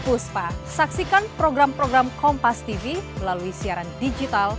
dari tim tim sendiri